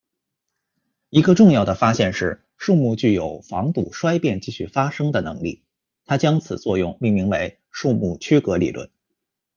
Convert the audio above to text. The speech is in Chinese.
一个重要的发现是树木具有防堵衰变继续发生的能力，他将此作用命名为树木区隔理论。